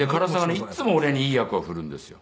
いっつも俺にいい役を振るんですよ」